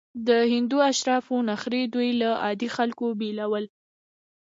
د هندو اشرافو نخرې دوی له عادي خلکو بېلول.